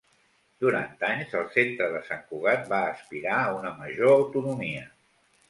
Durant anys, el centre de Sant Cugat va aspirar a una major autonomia.